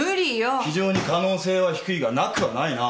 非常に可能性は低いがなくはないなあ。